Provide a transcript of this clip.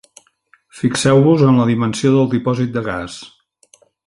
Fixeu-vos en la dimensió del dipòsit de gas.